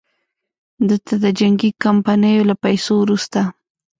ده ته د جنګي کمپنیو له پیسو وروسته.